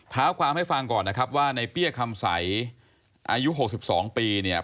เท้าความให้ฟังก่อนนะครับว่าในเปี้ยคำใสอายุ๖๒ปีเนี่ย